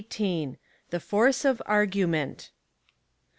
THE FORCE OF ARGUMENT.